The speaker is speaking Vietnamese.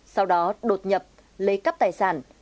sau đó đột nhập lấy cắp tài sản